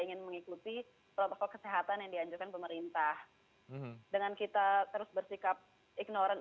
ingin mengikuti protokol kesehatan yang dianjurkan pemerintah dengan kita terus bersikap ignoran